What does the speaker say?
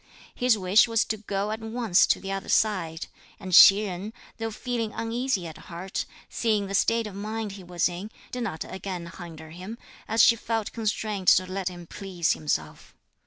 His wish was to go at once to the other side; and Hsi Jen, though feeling uneasy at heart, seeing the state of mind he was in, did not again hinder him, as she felt constrained to let him please himself.